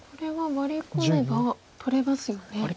ワリ込めば取れます。